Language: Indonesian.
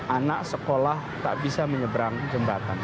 anak sekolah tak bisa menyeberang jembatan